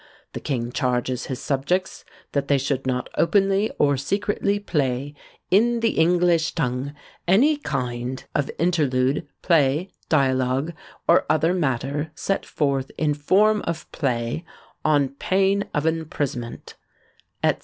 The king charges his subjects that they should not openly or secretly play in the English tongue any kind of Interlude, Play, Dialogue, or other matter set forth in form of Play, on pain of imprisonment," &c.